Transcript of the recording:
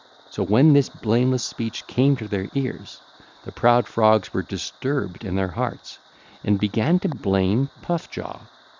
So when this blameless speech came to their ears, the proud Frogs were disturbed in their hearts and began to blame Puff jaw.